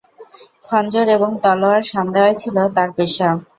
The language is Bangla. খঞ্জর এবং তলোয়ার শান দেয়াই ছিল তার পেশা।